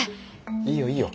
いいよいいよ。